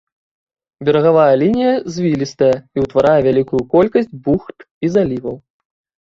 Берагавая лінія звілістая і ўтварае вялікую колькасць бухт і заліваў.